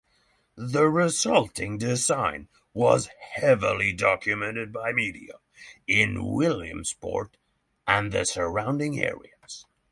The resulting design was heavily documented by media in Williamsport and the surrounding areas.